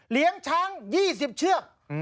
เลี้ยงช้าง๒๐เชือก